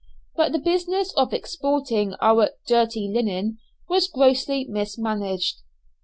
But the business of exporting our "dirty linen" was grossly mismanaged.